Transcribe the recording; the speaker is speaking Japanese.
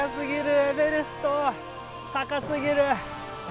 高すぎる。